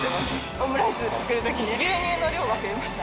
オムライスを作るときに、牛乳の量は増えました。